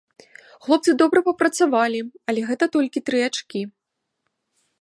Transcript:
Хлопцы добра папрацавалі, але гэта толькі тры ачкі.